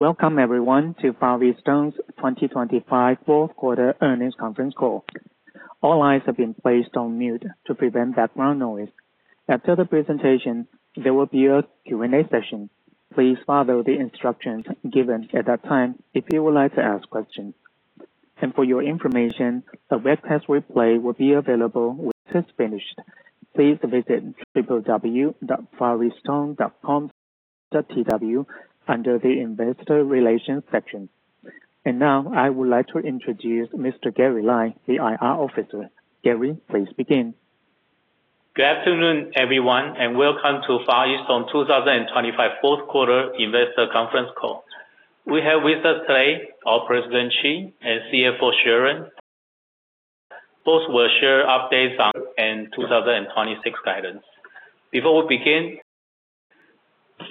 Welcome everyone to Far EasTone's 2025 Fourth Quarter Earnings Conference Call. All lines have been placed on mute to prevent background noise. After the presentation, there will be a Q&A session. Please follow the instructions given at that time if you would like to ask questions. For your information, the webcast replay will be available when we're finished. Please visit www.fareastone.com.tw under the Investor Relations section. Now I would like to introduce Mr. Gary Lai, the IR Officer. Gary, please begin. Good afternoon, everyone, welcome to Far EasTone 2025 fourth quarter investor conference call. We have with us today our President, Chee, and CFO, Sharon. Both will share updates on and 2026 guidance. Before we begin,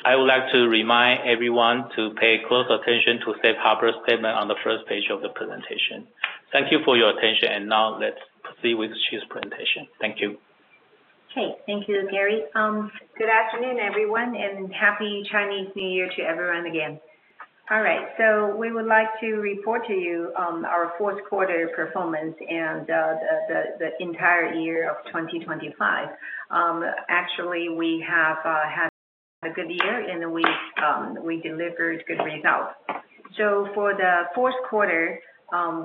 I would like to remind everyone to pay close attention to safe harbor statement on the first page of the presentation. Thank you for your attention, now let's proceed with Chee's presentation. Thank you. Okay. Thank you, Gary. Good afternoon, everyone, and Happy Chinese New Year to everyone again. All right. We would like to report to you our fourth quarter performance and the entire year of 2025. Actually, we have had a good year, and we delivered good results. For the fourth quarter,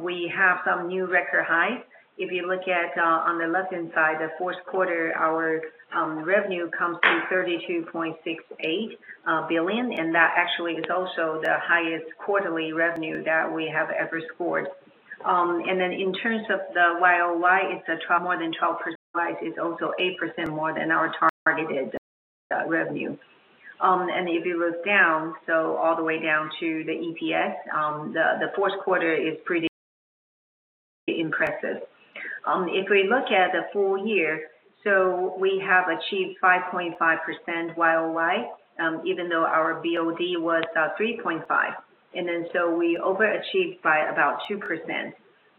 we have some new record highs. If you look at on the left-hand side, the fourth quarter, our revenue comes to 32.68 billion, and that actually is also the highest quarterly revenue that we have ever scored. In terms of the YoY, it's more than a 12% rise. It's also 8% more than our targeted revenue. If you look down, all the way down to the EPS, the fourth quarter is pretty impressive. If we look at the full year, we have achieved 5.5% YoY, even though our BOD was 3.5, we overachieved by about 2%.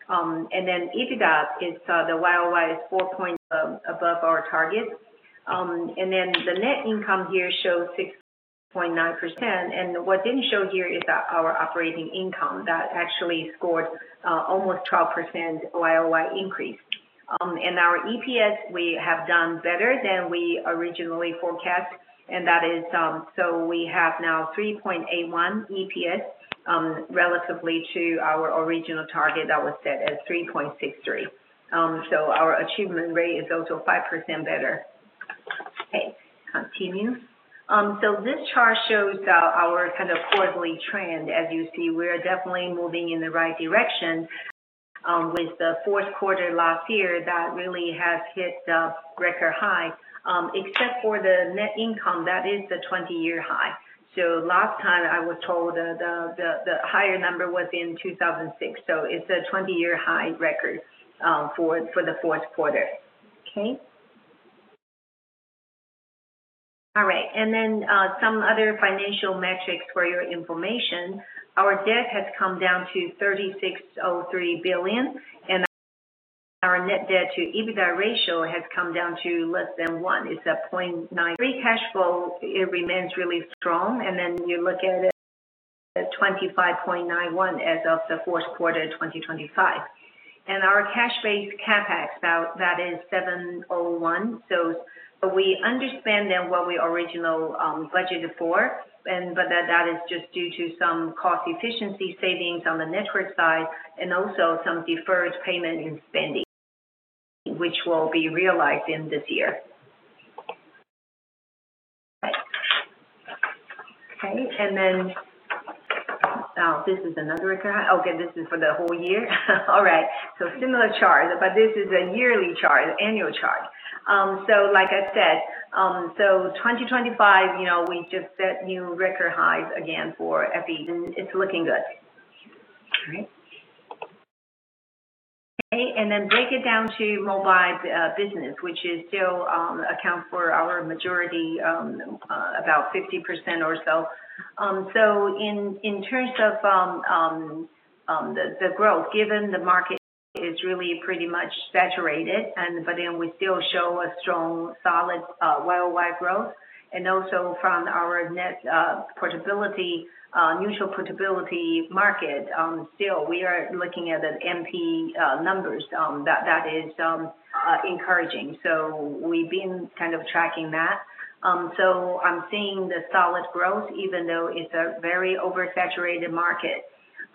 EBITDA is, the YoY is four point above our target. The net income here shows 6.9%, and what didn't show here is that our operating income that actually scored almost 12% YoY increase. Our EPS, we have done better than we originally forecast, and that is. We have now 3.81 EPS, relatively to our original target that was set at 3.63. Our achievement rate is also 5% better. Okay, continue. This chart shows our kind of quarterly trend. As you see, we're definitely moving in the right direction, with the fourth quarter last year, that really has hit a record high, except for the net income, that is the 20 years high. Last time I was told that the higher number was in 2006, so it's a 20 years high record for the fourth quarter. Okay? All right. Some other financial metrics for your information. Our debt has come down to 36.03 billion, and our net debt to EBITDA ratio has come down to less than one. It's at 0.9. Free cash flow, it remains really strong. You look at it, at 25.91 as of the fourth quarter, 2025. Our cash-based CapEx, that is 701. We understand that what we original budgeted for, and but that is just due to some cost efficiency savings on the network side and also some deferred payment in spending, which will be realized in this year. Okay. This is another record. Okay, this is for the whole year. All right. Similar chart, but this is a yearly chart, annual chart. Like I said, 2025, you know, we just set new record highs again for EBITDA, and it's looking good. All right. Break it down to mobile business, which is still account for our majority, about 50% or so. In terms of the growth, given the market is really pretty much saturated, we still show a strong, solid YoY growth. From our net portability, mutual portability market, still, we are looking at an MP numbers that is encouraging. We've been kind of tracking that. I'm seeing the solid growth, even though it's a very oversaturated market.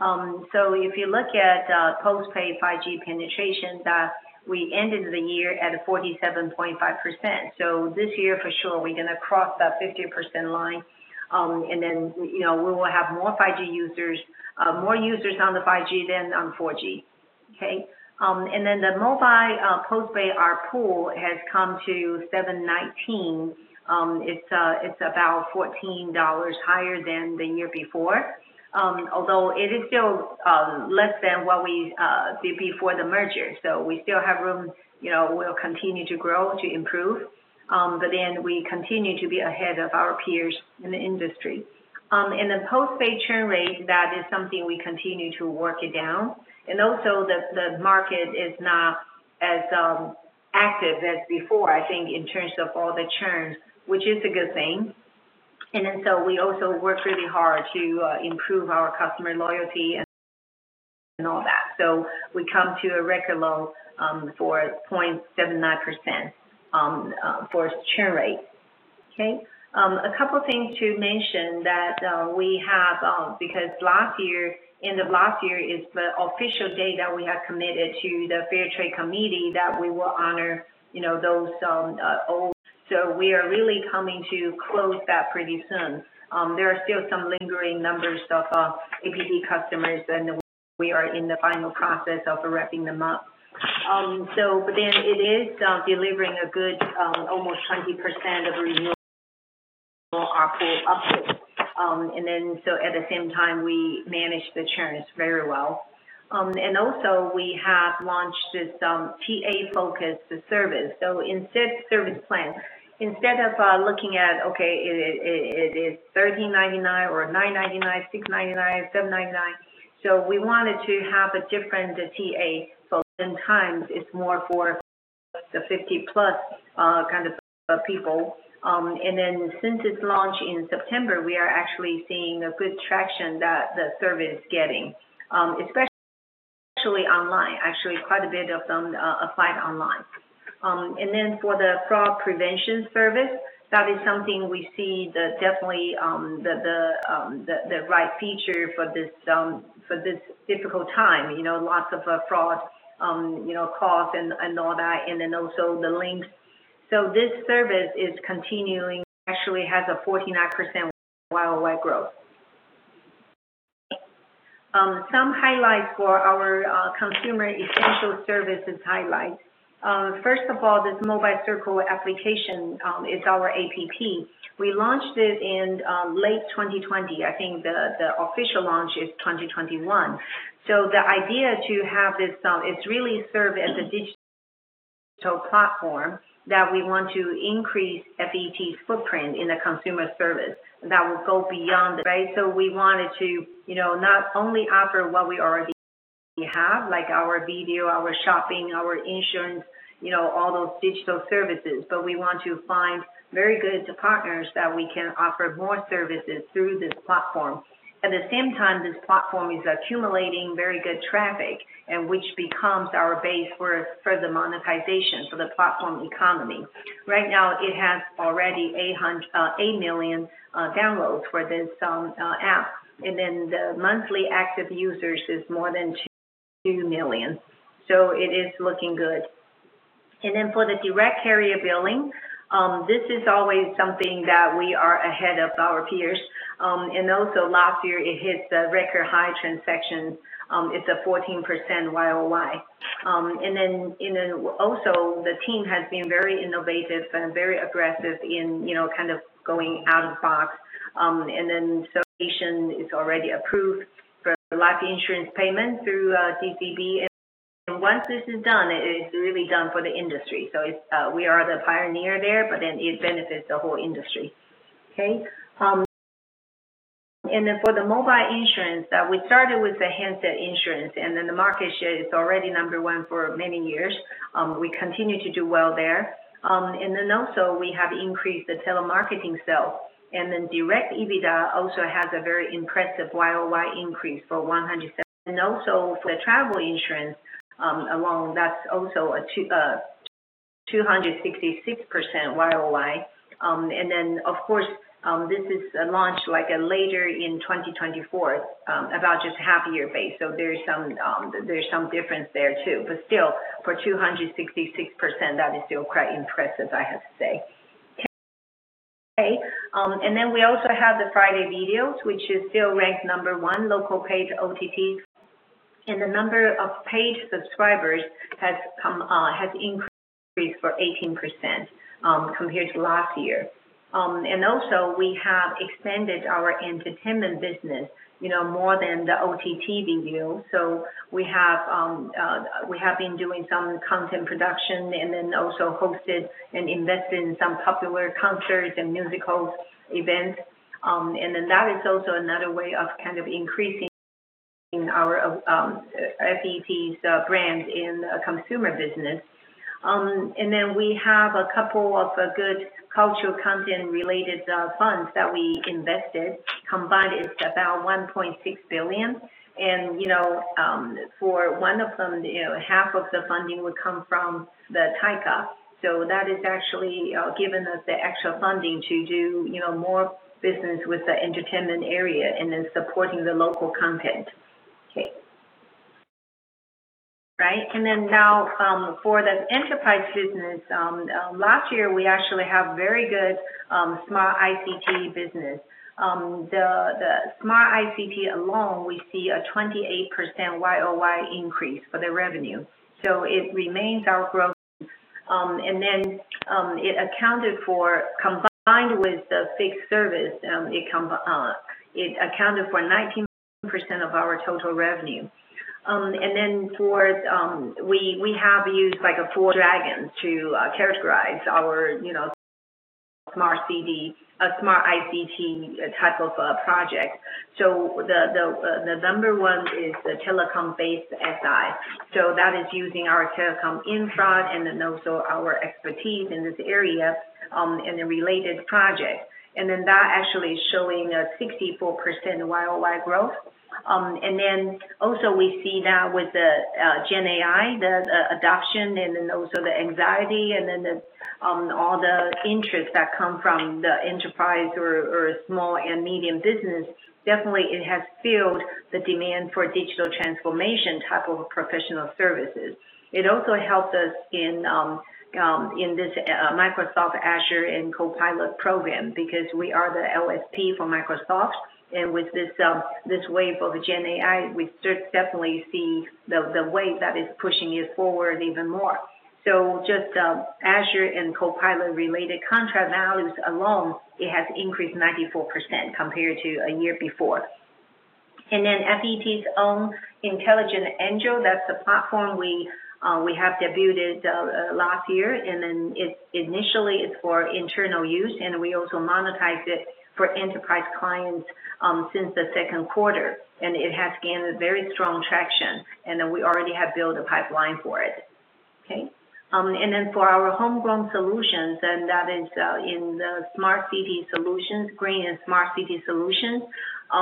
If you look at postpaid 5G penetration, that we ended the year at 47.5%. This year, for sure, we're going to cross that 50% line, and then, you know, we will have more 5G users, more users on the 5G than on 4G. Okay? The mobile, postpaid, ARPU has come to 719. It's about 14 dollars higher than the year before, although it is still less than what we before the merger. We still have room, you know, we'll continue to grow, to improve, but then we continue to be ahead of our peers in the industry. The postpaid churn rate, that is something we continue to work it down. Also, the market is not as active as before, I think in terms of all the churns, which is a good thing. We also worked really hard to improve our customer loyalty and all that. We come to a record low, 0.79%, for churn rate. Okay? A couple of things to mention that we have, because last year, in the last year is the official date that we have committed to the Fair Trade Commission that we will honor, you know, those old. We are really coming to close that pretty soon. There are still some lingering numbers of APT customers, and we are in the final process of wrapping them up. It is delivering a good, almost 20% of renewal ARPU uptake. At the same time, we manage the churns very well. We have launched this TA-focused service. Instead service plan, instead of looking at, okay, it is 1,399 or 999, 699, 799. We wanted to have a different TA. Sometimes it's more for the 50+ kind of people. Since its launch in September, we are actually seeing a good traction that the service is getting, especially online. Actually, quite a bit of them applied online. For the fraud prevention service, that is something we see the definitely the right feature for this difficult time, you know, lots of fraud, you know, costs and all that, and then also the links. This service is continuing, actually has a 49% YoY growth. Some highlights for our consumer essential services highlights. First of all, this Mobile Circle application, it's our app. We launched it in late 2020. I think the official launch is 2021. The idea to have this, it's really serve as a digital platform that we want to increase FET footprint in the consumer service that will go beyond, right? We wanted to, you know, not only offer what we already have, like our video, our shopping, our insurance, you know, all those digital services, but we want to find very good partners that we can offer more services through this platform. At the same time, this platform is accumulating very good traffic, and which becomes our base for the monetization, for the platform economy. Right now, it has already. Eight million downloads for this app, and then the monthly active users is more than two million. It is looking good. For the direct carrier billing, this is always something that we are ahead of our peers. Also last year, it hit the record high transaction. It's a 14% YoY. Also the team has been very innovative and very aggressive in, you know, kind of going out of box. Solution is already approved for life insurance payment through CCB. Once this is done, it is really done for the industry. It's, we are the pioneer there, but then it benefits the whole industry. Okay? For the mobile insurance, that we started with the handset insurance, and then the market share is already number one for many years. We continue to do well there. Also we have increased the telemarketing sales, and then direct EBITDA also has a very impressive YoY increase for 107%. Also for the travel insurance, alone, that's also a 266% YoY. Of course, this is launched like a later in 2024, about just half year base. There's some, there's some difference there too. Still, for 266%, that is still quite impressive, I have to say. Okay, we also have the friDay Video, which is still ranked number one local paid OTT, the number of paid subscribers has increased for 18% compared to last year. Also we have expanded our entertainment business, you know, more than the OTT video. We have been doing some content production and then also hosted and invested in some popular concerts and musicals events. That is also another way of kind of increasing our FET's brand in a consumer business. We have a couple of good cultural content related funds that we invested. Combined is about 1.6 billion, and, you know, for one of them, you know, half of the funding would come from the TAICCA. That is actually giving us the extra funding to do, you know, more business with the entertainment area supporting the local content. Okay. For the enterprise business, last year, we actually have very good Smart ICT business. The Smart ICT alone, we see a 28% YoY increase for the revenue, it remains our growth. It accounted for, combined with the fixed service, it accounted for 19% of our total revenue. For, we have used, like, a four Dragons to characterize our, you know, Smart ICT type of project. The number 1 is the telecom-based SI. That is using our telecom infra and also our expertise in this area, in a related project. That actually is showing a 64% YoY growth. Also we see now with the GenAI, the adoption and the anxiety and all the interest that come from the enterprise or small and medium business, definitely it has fueled the demand for digital transformation type of professional services. It also helped us in this Microsoft Azure and Copilot program because we are the LSP for Microsoft, and with this wave of GenAI, we definitely see the wave that is pushing it forward even more. Just Azure and Copilot-related contract values alone, it has increased 94% compared to a year before. FET's own FET Intelligent Angel, that's the platform we have debuted last year, it initially it's for internal use, and we also monetize it for enterprise clients since the second quarter, and it has gained very strong traction, we already have built a pipeline for it. Okay? For our homegrown solutions, that is in the smart city solutions, green and smart city solutions, a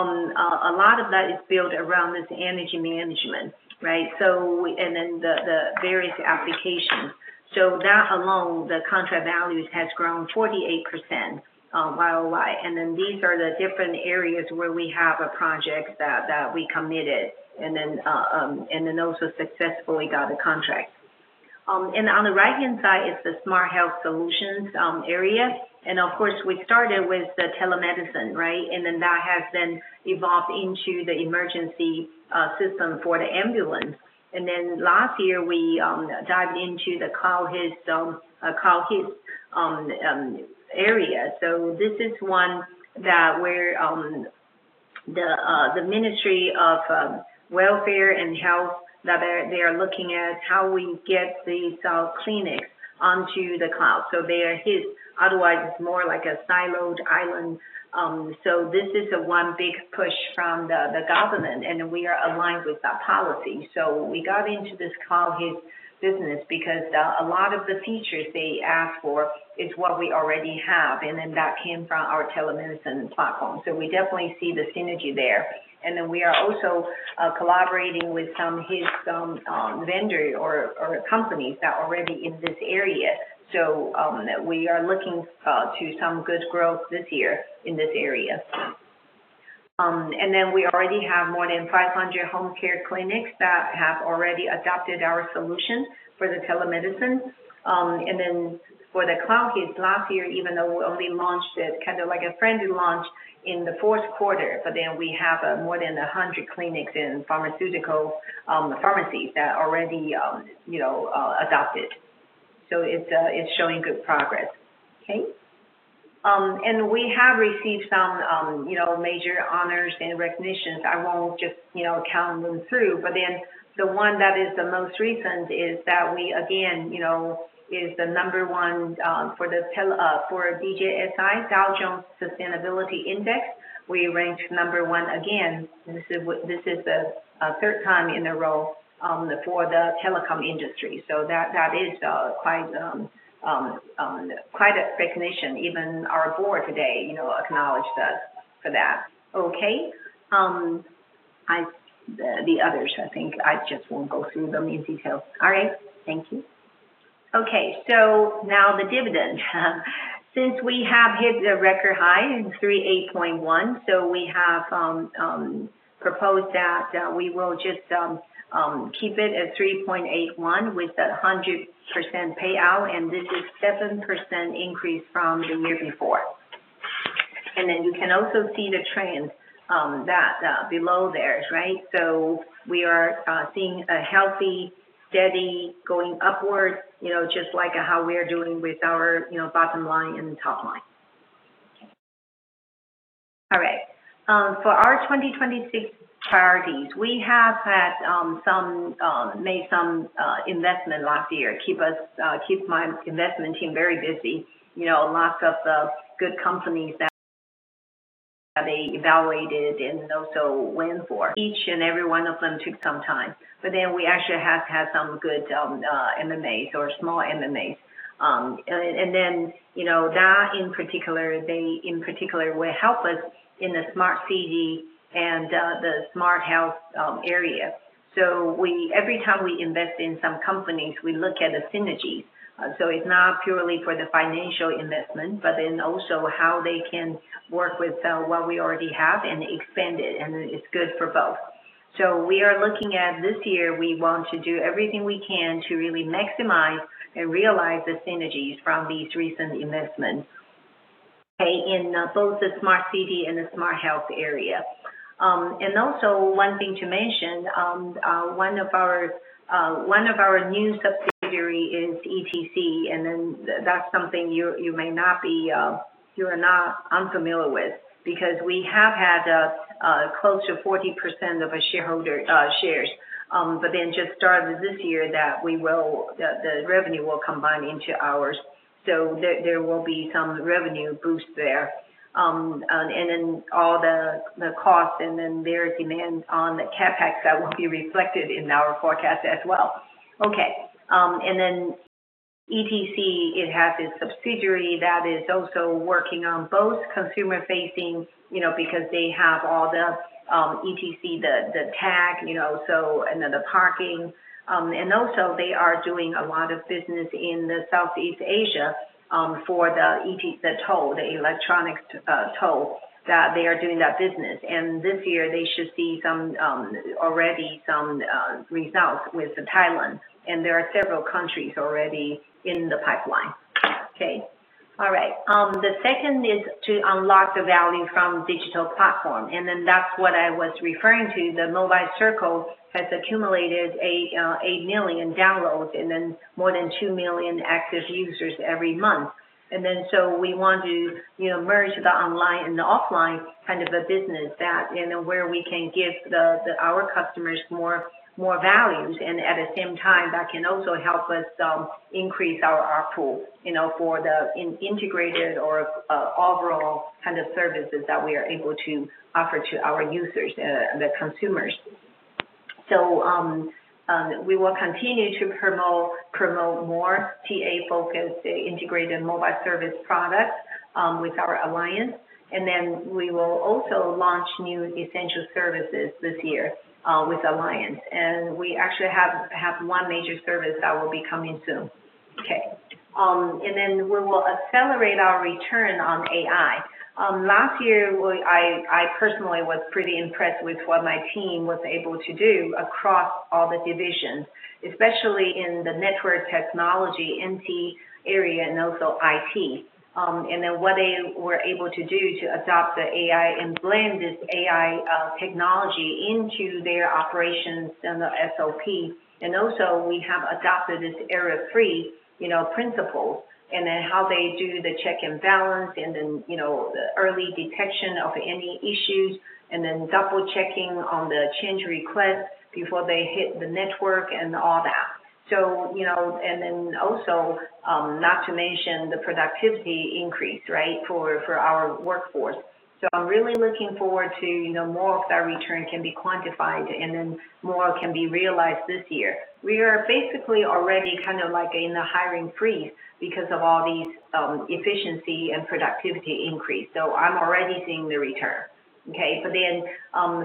lot of that is built around this energy management, right? The various applications. That alone, the contract values has grown 48% YoY. These are the different areas where we have a project that we committed, and also successfully got a contract. On the right-hand side is the smart health solutions area. Of course, we started with the telemedicine, right? That has then evolved into the emergency system for the ambulance. Last year, we dived into the Cloud HIS area. This is one that where the Ministry of Health and Welfare, that they are looking at how we get the clinic onto the cloud, so their HIS. Otherwise, it's more like a siloed island. This is the one big push from the government, and we are aligned with that policy. We got into this Cloud HIS business because a lot of the features they ask for is what we already have, and then that came from our telemedicine platform. We definitely see the synergy there. We are also collaborating with some HIS vendor or companies that are already in this area. We are looking to some good growth this year in this area. We already have more than 500 home care clinics that have already adopted our solution for the telemedicine. For the Cloud HIS last year, even though we only launched it, kind of like a friendly launch in the fourth quarter, we have more than 100 clinics in pharmaceutical pharmacies that already, you know, adopted. It's showing good progress. Okay? We have received some, you know, major honors and recognitions. I won't just, you know, count them through, but then the one that is the most recent is that we again, you know, is the number one for the DJSI, Dow Jones Sustainability Index. We ranked number 1 again, and this is the third time in a row for the telecom industry. That is quite a recognition. Even our board today, you know, acknowledged us for that. Okay. I, the others, I think I just won't go through them in detail. All right. Thank you. Okay, now the dividend. Since we have hit the record high in 3.81, we have proposed that we will just keep it at 3.81 with a 100% payout, and this is a 7% increase from the year before. You can also see the trend that below there, right? We are seeing a healthy, steady, going upward, you know, just like how we are doing with our, you know, bottom line and top line. All right. For our 2026 priorities, we have had some made some investment last year, keep my investment team very busy. You know, lots of good companies that they evaluated and also went for. Each and every one of them took some time, but then we actually have had some good MMAs or small MMAs. You know, that in particular, they in particular will help us in the smart city and the smart health area. Every time we invest in some companies, we look at the synergies. It's not purely for the financial investment, but then also how they can work with what we already have and expand it, and it's good for both. We are looking at this year, we want to do everything we can to really maximize and realize the synergies from these recent investments, okay, in both the smart city and the smart health area. Also one thing to mention, one of our, one of our new subsidiary is ETC, that's something you may not be, you are not unfamiliar with, because we have had, close to 40% of the shareholder, shares. Just starting this year, the revenue will combine into ours. There will be some revenue boost there. All the costs and then their demands on the CapEx that will be reflected in our forecast as well. Okay. ETC, it has a subsidiary that is also working on both consumer-facing, you know, because they have all the, ETC, the tag, you know, so and then the parking. Also they are doing a lot of business in the Southeast Asia, for the ETC, the toll, the electronic, toll, that they are doing that business. This year they should see some, already some, results with Thailand, and there are several countries already in the pipeline. The second is to unlock the value from digital platform, that's what I was referring to. The FET Mobile Circle has accumulated 8 million downloads more than 2 million active users every month. We want to, you know, merge the online and the offline kind of a business that, you know, where we can give the our customers more, more values, and at the same time, that can also help us increase our pool, you know, for the integrated or overall kind of services that we are able to offer to our users, the consumers. We will continue to promote more TA-focused, integrated mobile service products with our alliance. We will also launch new essential services this year with alliance. We actually have one major service that will be coming soon. Okay. We will accelerate our return on AI. Last year, I personally was pretty impressed with what my team was able to do across all the divisions, especially in the network technology, NT area, and also IT. What they were able to do to adopt the AI and blend this AI technology into their operations and the SOP. Also we have adopted this error-free, you know, principles, how they do the check and balance, you know, the early detection of any issues, double-checking on the change request before they hit the network and all that. You know, also, not to mention the productivity increase, right? For our workforce. I'm really looking forward to, you know, more of that return can be quantified, more can be realized this year. We are basically already kind of like in a hiring freeze because of all these efficiency and productivity increase. I'm already seeing the return. Okay,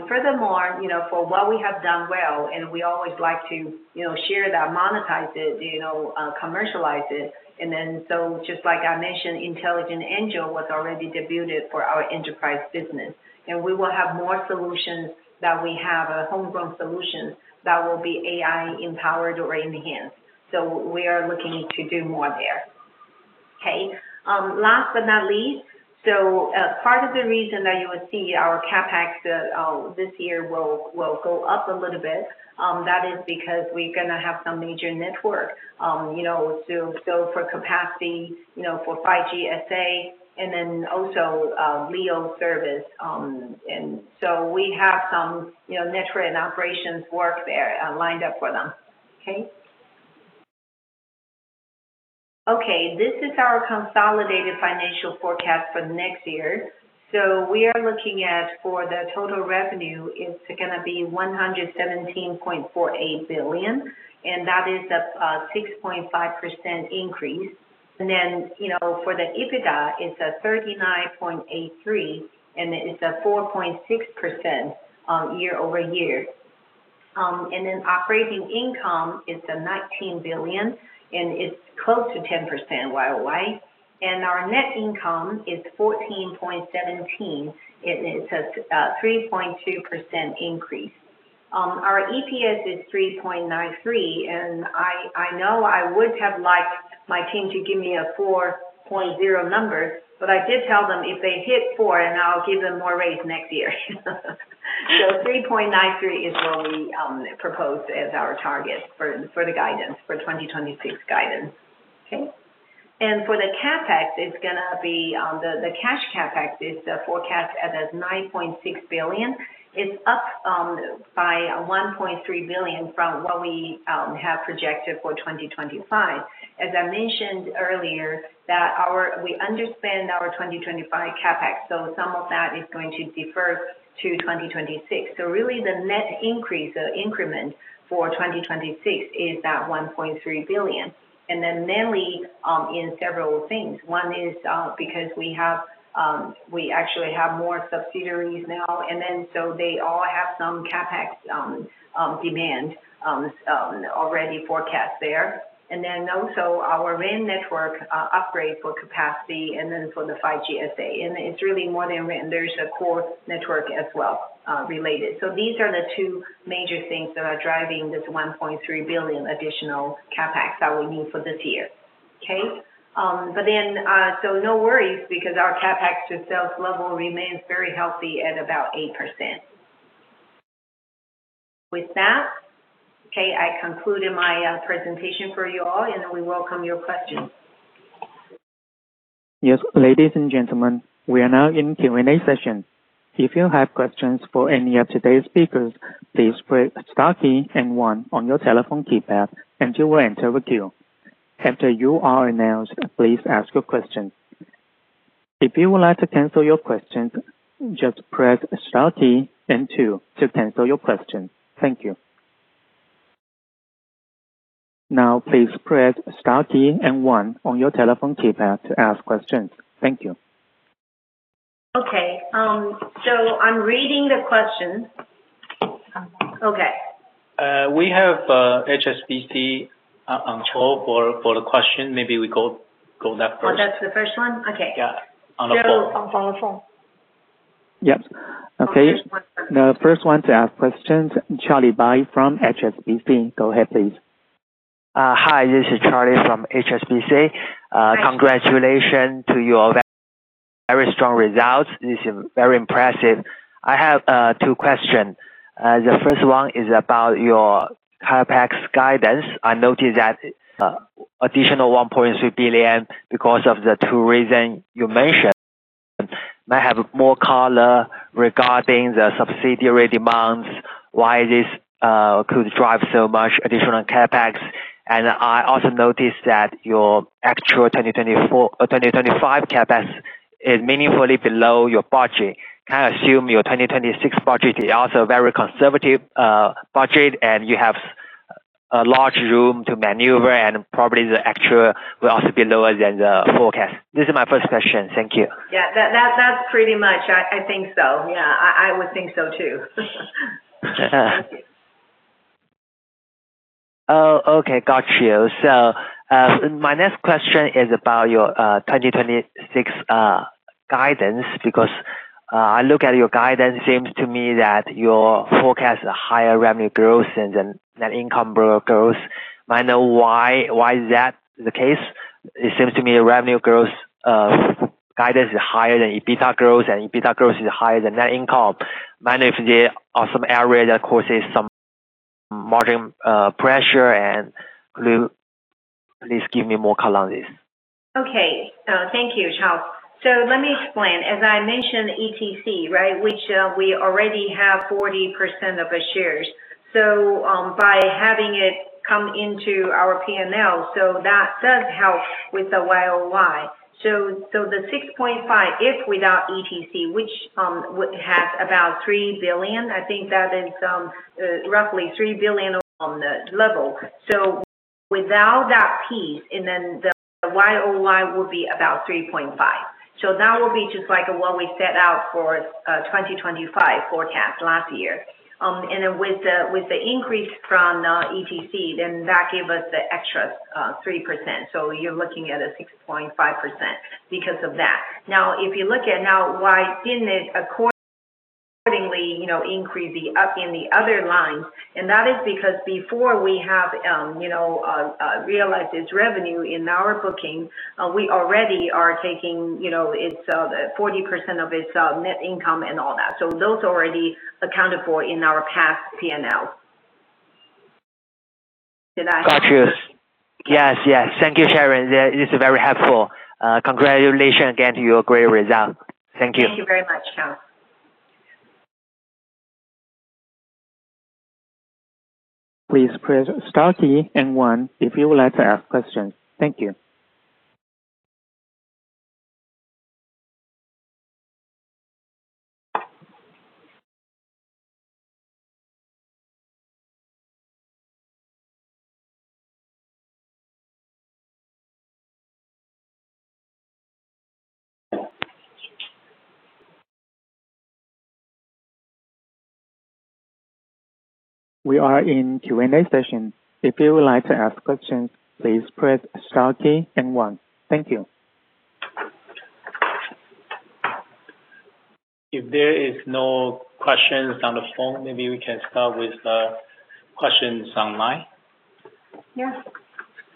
furthermore, you know, for what we have done well, and we always like to, you know, share that, monetize it, you know, commercialize it. Just like I mentioned, Intelligent Angel was already debuted for our enterprise business, and we will have more solutions that we have homegrown solutions that will be AI-empowered or-enhanced. We are looking to do more there. Okay. Last but not least, part of the reason that you will see our CapEx this year will go up a little bit, that is because we're going to have some major network to go for capacity for 5G SA and LEO service, we have some network and operations work there lined up for them. This is our consolidated financial forecast for next year. We are looking at, for the total revenue, it's going to be 117.48 billion, and that is a 6.5% increase. for the EBITDA, it's 39.83 billion, and it's a 4.6% year-over-year. Operating income is 19 billion, it's close to 10% YoY, our net income is 14.17, it's a 3.2% increase. Our EPS is 3.93, I know I would have liked my team to give me a 4.0 number, but I did tell them if they hit 4, I'll give them more raise next year. 3.93 is what we proposed as our target for the guidance, for 2026 guidance. Okay? For the CapEx, it's going to be the cash CapEx is forecast at 9.6 billion. It's up by 1.3 billion from what we have projected for 2025. As I mentioned earlier, we underspend our 2025 CapEx, some of that is going to defer to 2026. Really, the net increase or increment for 2026 is that 1.3 billion. Mainly, in several things. One is, because we have, we actually have more subsidiaries now, they all have some CapEx demand already forecast there. Also our RAN network upgrade for capacity and for the 5G SA. It's really more than RAN. There's a core network as well, related. These are the two major things that are driving this 1.3 billion additional CapEx that we need for this year. Okay? No worries, because our CapEx to sales level remains very healthy at about 8%. With that, okay, I concluded my presentation for you all, and then we welcome your questions. Yes, ladies and gentlemen, we are now in Q&A session. If you have questions for any of today's speakers, please press star key and one on your telephone keypad, and you will enter the queue. After you are announced, please ask your question. If you would like to cancel your question, just press star key and two to cancel your question. Thank you. Now please press star key and one on your telephone keypad to ask questions. Thank you. I'm reading the questions. Okay. We have HSBC on call for the question. We go that first. Oh, that's the first one? Okay. Yeah. On the phone. On the phone. Yep. Okay. The first one to ask questions, Charlie Bai from HSBC. Go ahead, please. Hi, this is Charlie from HSBC. Hi. Congratulations to you all. Very strong results. This is very impressive. I have two questions. The first one is about your CapEx guidance. I noticed that additional 1.2 billion because of the two reasons you mentioned. May I have more color regarding the subsidiary demands, why this could drive so much additional CapEx? I also noticed that your actual 2024-2025 CapEx is meaningfully below your budget. Can I assume your 2026 budget is also very conservative budget, and you have a large room to maneuver, and probably the actual will also be lower than the forecast? This is my first question. Thank you. Yeah, that's pretty much. I think so. Yeah, I would think so too. Oh, okay. Got you. My next question is about your 2026 guidance. I look at your guidance, seems to me that your forecast higher revenue growth and then net income growth. Why is that the case? It seems to me revenue growth guidance is higher than EBITDA growth, and EBITDA growth is higher than net income. If there are some areas that cause some margin pressure, and could you please give me more color on this? Okay. Thank you, Charlie. Let me explain. As I mentioned, ETC, right? Which, we already have 40% of the shares. By having it come into our P&L, so that does help with the YoY. The 6.5, if without ETC, which would have about 3 billion, I think that is roughly 3 billion on the level. Without that piece, the YoY will be about 3.5. That will be just like what we set out for 2025 forecast last year. With the increase from ETC, then that gave us the extra 3%. You're looking at a 6.5% because of that. Now, if you look at now, why isn't it accordingly, you know, increasing up in the other lines? That is because before we have, you know, realized its revenue in our booking, we already are taking, you know, its, 40% of its, net income and all that. Those already accounted for in our past P&L. Got you. Yes. Thank you, Sharon. That is very helpful. Congratulations again to your great result. Thank you. Thank you very much, Charlie. Please press star key and one if you would like to ask questions. Thank you. We are in Q&A session. If you would like to ask questions, please press star key and one. Thank you. If there is no questions on the phone, maybe we can start with the questions online. Yeah.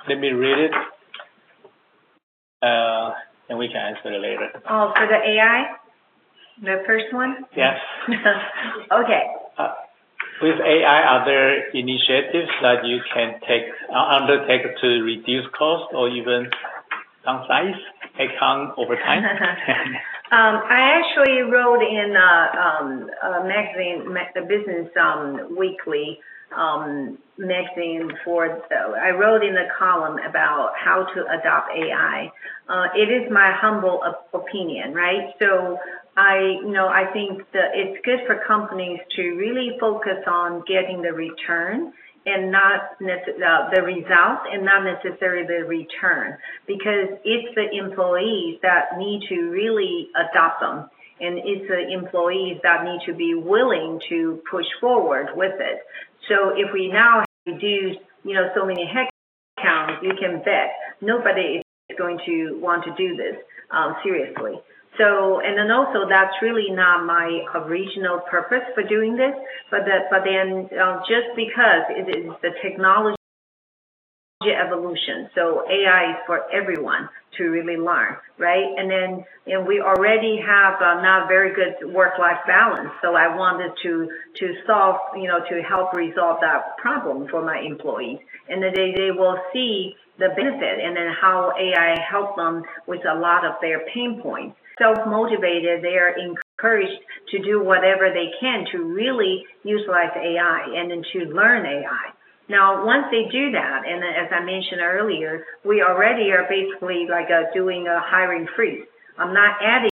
Let me read it, and we can answer it later. Oh, for the AI? The first one? Yes. Okay. With AI, are there initiatives that you can undertake to reduce cost or even downsize, take on over time? I actually wrote in a magazine, the Business Weekly magazine. I wrote in a column about how to adopt AI. It is my humble opinion, right? I, you know, I think that it's good for companies to really focus on getting the return and not the results and not necessarily the return, because it's the employees that need to really adopt them, and it's the employees that need to be willing to push forward with it. If we now do, you know, so many headcounts, you can bet nobody is going to want to do this seriously. That's really not my original purpose for doing this, just because it is the technology evolution, AI is for everyone to really learn, right? We already have a not very good work-life balance, I wanted to solve, you know, to help resolve that problem for my employees. They will see the benefit and then how AI help them with a lot of their pain points. Self-motivated, they are encouraged to do whatever they can to really utilize AI and then to learn AI. Once they do that, as I mentioned earlier, we already are basically, like, doing a hiring freeze. I'm not adding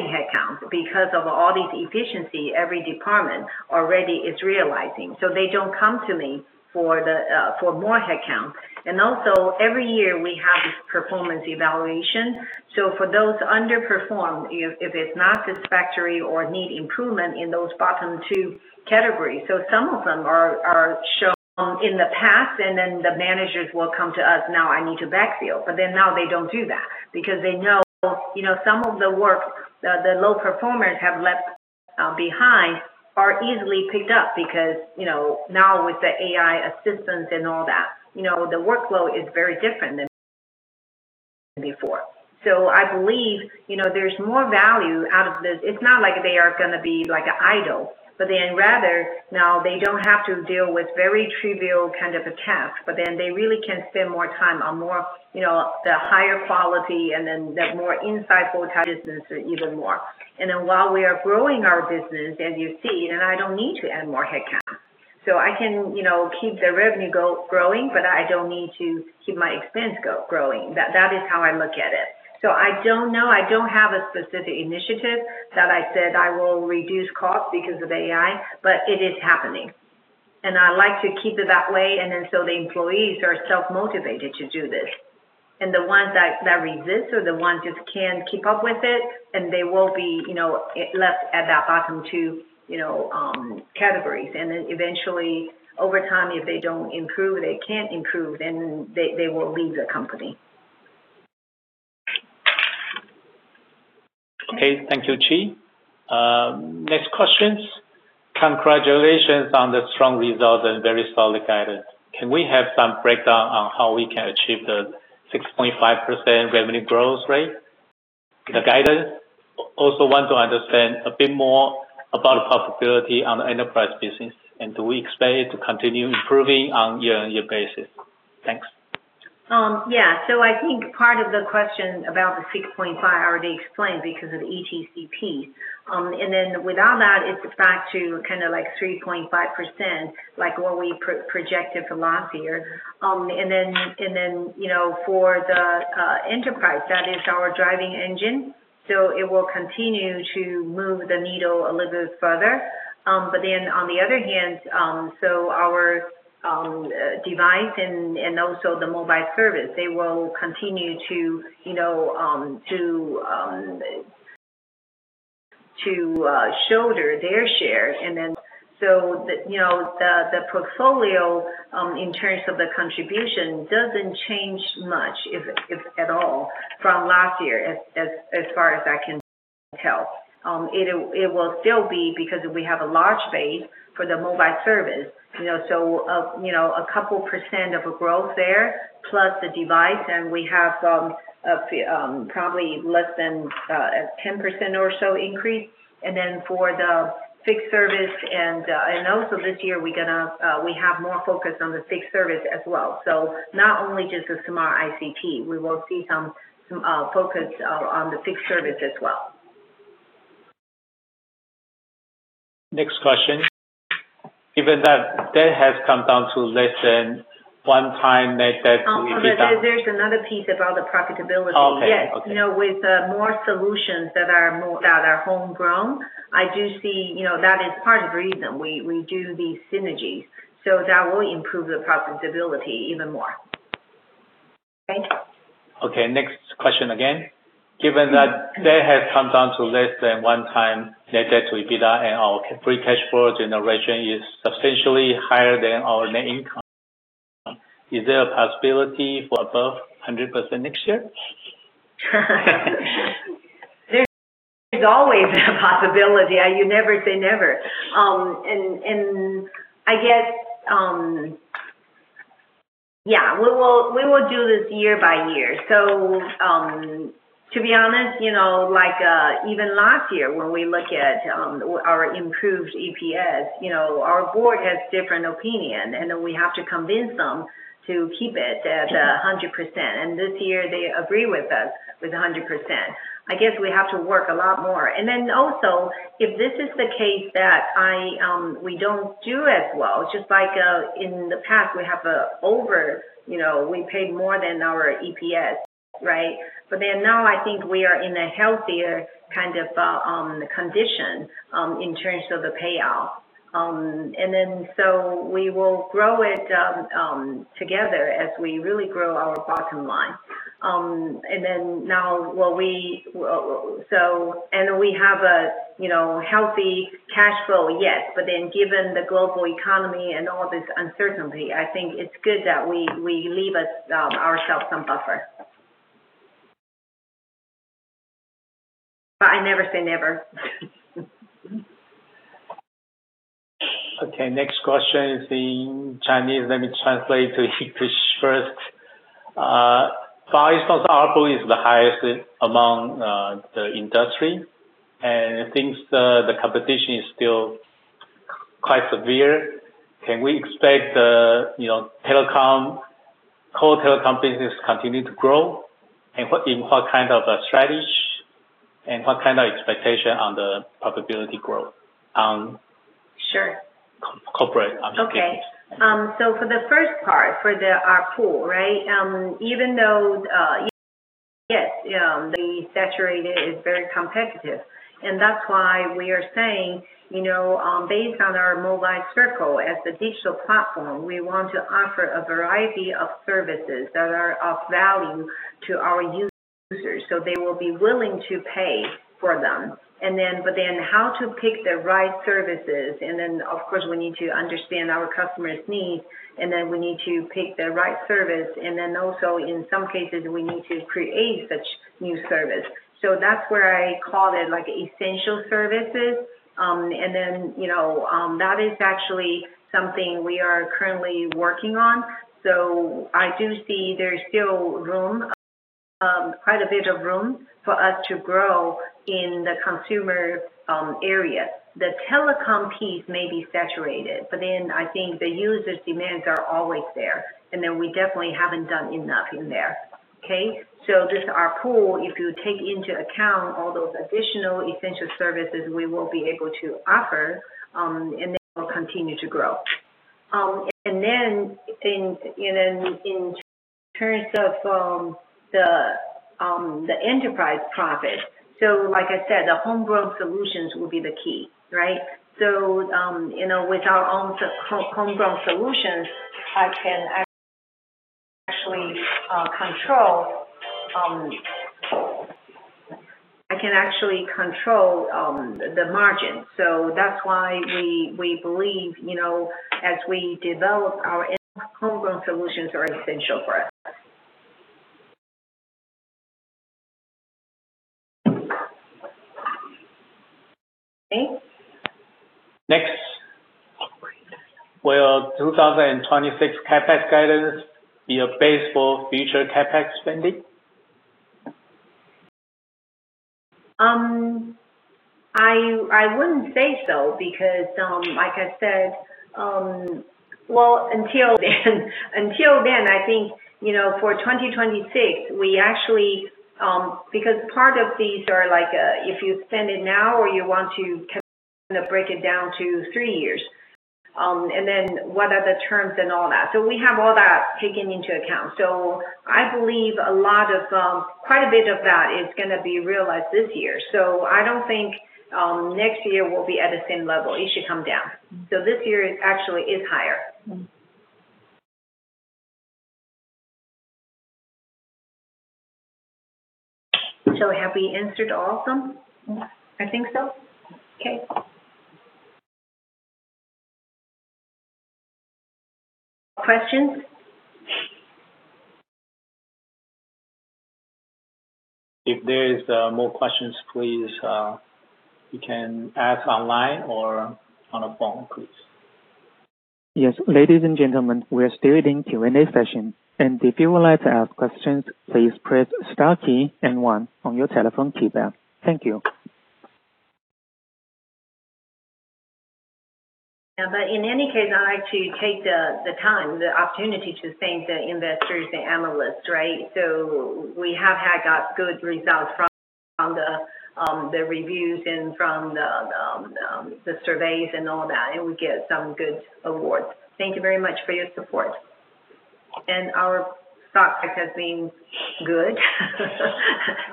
headcount, because of all these efficiency, every department already is realizing. They don't come to me for the, for more headcount. Also, every year we have this performance evaluation. For those underperformed, if it's not satisfactory or need improvement in those bottom two categories, so some of them are shown in the past, and then the managers will come to us, "Now I need to backfill." Now they don't do that because they know, you know, some of the work that the low performers have left behind are easily picked up because, you know, now with the AI assistance and all that, you know, the workflow is very different than before. I believe, you know, there's more value out of this. It's not like they are gonna be like idle, but then rather now they don't have to deal with very trivial kind of a task, but then they really can spend more time on more, you know, the higher quality and then the more insightful type business even more. While we are growing our business, as you see, then I don't need to add more headcount. I can, you know, keep the revenue growing, but I don't need to keep my expense growing. That is how I look at it. I don't know, I don't have a specific initiative that I said I will reduce cost because of AI, but it is happening, and I like to keep it that way and then so the employees are self-motivated to do this. The ones that resist or the ones just can't keep up with it, and they will be, you know, left at that bottom two, you know, categories. Eventually, over time, if they don't improve, they can't improve, then they will leave the company. Okay. Thank you, Chee. Next questions. Congratulations on the strong results and very solid guidance. Can we have some breakdown on how we can achieve the 6.5% revenue growth rate, the guidance? Also want to understand a bit more about the profitability on the enterprise business, and do we expect it to continue improving on year-on-year basis? Thanks. Yeah. I think part of the question about the 6.5, I already explained because of ETCP. Without that, it's back to kind of like 3.5%, like what we projected for last year. You know, for the enterprise, that is our driving engine, so it will continue to move the needle a little bit further. On the other hand, our device and also the mobile service, they will continue to, you know, shoulder their share. The, you know, the portfolio in terms of the contribution, doesn't change much, if at all, from last year, as far as I can tell. It will still be because we have a large base for the mobile service, you know, so, you know, a couple % of a growth there, plus the device, and we have some, a few, probably less than 10% or so increase. For the fixed service and also this year, we're gonna, we have more focus on the fixed service as well. Not only just the Smart ICT, we will see some focus on the fixed service as well. Next question. Given that debt has come down to less than 1x net debt There's another piece about the profitability. Okay. Okay. Yes. You know, with more solutions that are homegrown, I do see. You know, that is part of the reason we do these synergies, that will improve the profitability even more. Okay? Okay, next question again. Given that debt has come down to less than one time net debt to EBITDA and our free cash flow generation is substantially higher than our net income, is there a possibility for above 100% next year? There's always a possibility. You never say never. I guess we will do this year by year. To be honest, even last year, when we look at our improved EPS, our board has different opinion. We have to convince them to keep it at 100%. This year they agree with us, with 100%. I guess we have to work a lot more. If this is the case that we don't do as well, in the past, we paid more than our EPS. Now I think we are in a healthier kind of condition in terms of the payout. We will grow it, together as we really grow our bottom line. Now so, and we have a, you know, healthy cash flow, yes. Given the global economy and all this uncertainty, I think it's good that we leave our, ourselves some buffer. I never say never. Okay, next question is in Chinese. Let me translate to English first. Five ARPU is the highest among the industry, and I think the competition is still quite severe. Can we expect the, you know, telecom, core telecom business continue to grow? What, in what kind of a strategy, and what kind of expectation on the profitability growth? Sure. Corporate Okay. For the first part, for the ARPU, right? Even though the saturated is very competitive, and that's why we are saying, you know, based on our Mobile Circle as the digital platform, we want to offer a variety of services that are of value to our users, so they will be willing to pay for them. How to pick the right services, of course, we need to understand our customer's needs, we need to pick the right service, and also, in some cases, we need to create such new service. That's where I call it, like, essential services. You know, that is actually something we are currently working on. I do see there's still room, quite a bit of room for us to grow in the consumer area. The telecom piece may be saturated, I think the users' demands are always there, we definitely haven't done enough in there. Okay? Just our pool, if you take into account all those additional essential services we will be able to offer, and they will continue to grow. In terms of the enterprise profit, like I said, the homegrown solutions will be the key, right? You know, with our own homegrown solutions, I can actually control the margin. That's why we believe, you know, as we develop, our end homegrown solutions are essential for us. Okay. Will 2026 CapEx guidance be a base for future CapEx spending? I wouldn't say so, because like I said, well, until then, until then, I think, you know, for 2026, we actually. Part of these are like, if you spend it now or you want to break it down to 3 years, and then what are the terms and all that? We have all that taken into account. I believe a lot of, quite a bit of that is gonna be realized this year. I don't think next year will be at the same level. It should come down. This year is actually higher. Have we answered all of them? Yes. I think so. Okay. Questions? If there is, more questions, please, you can ask online or on the phone, please. Yes, ladies and gentlemen, we are still in Q&A session, and if you would like to ask questions, please press star key and one on your telephone keypad. Thank you. In any case, I'd like to take the time, the opportunity to thank the investors and analysts, right? We have had got good results from the reviews and from the surveys and all that, and we get some good awards. Thank you very much for your support. Our stock price has been good.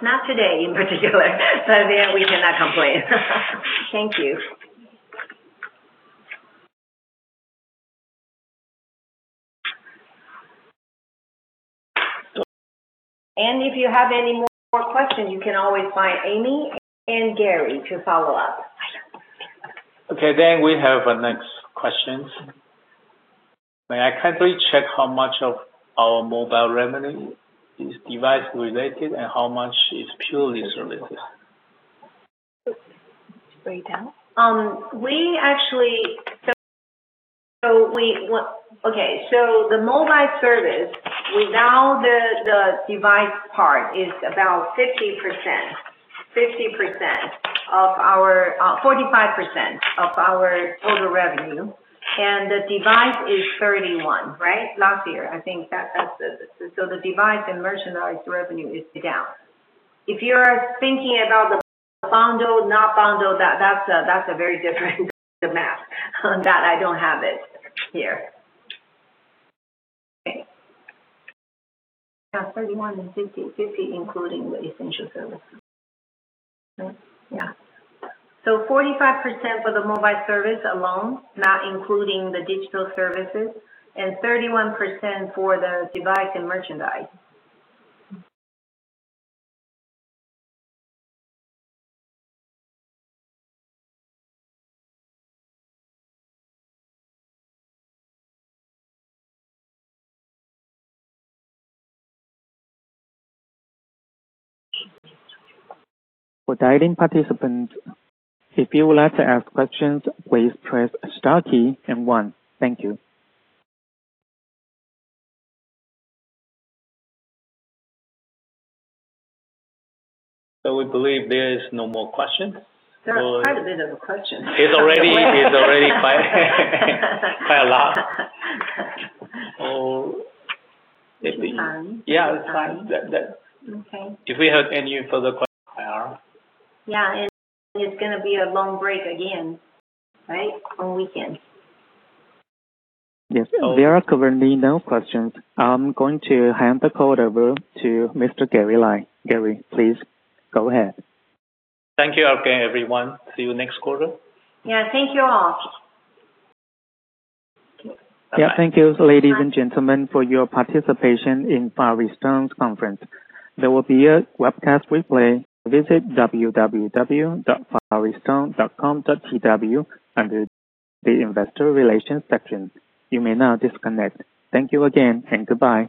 Not today, in particular, but yeah, we cannot complain. Thank you. If you have any more questions, you can always find Amy and Gary to follow up. Okay, we have the next questions. May I kindly check how much of our mobile revenue is device related and how much is purely service? Break it down. We actually, the mobile service without the device part is about 50%. 50% of our 45% of our total revenue, and the device is 31, right? Last year, I think the device and merchandise revenue is down. If you're thinking about the bundle, not bundle, that's a very different math. That I don't have it here. Okay. Yeah, 31 and 50. 50, including the essential services. Yeah. 45% for the mobile service alone, not including the digital services, and 31% for the device and merchandise. For dialing participants, if you would like to ask questions, please press star key and one. Thank you. We believe there is no more questions. There are quite a bit of a question. It's already quite a lot. It's time. Yeah, it's time. That. Okay. If we have any further questions. Yeah, it's gonna be a long break again, right? On weekend. Yes. There are currently no questions. I'm going to hand the call over to Mr. Gary Lai. Gary, please go ahead. Thank you again, everyone. See you next quarter. Yeah, thank you all. Yeah. Thank you, ladies and gentlemen, for your participation in Far EasTone's conference. There will be a webcast replay. Visit www.fareastone.com.tw under the Investor Relations section. You may now disconnect. Thank you again, and goodbye.